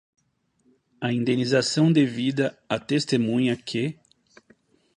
a indenização devida à testemunha que